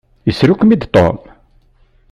Isru-kem-id Tom?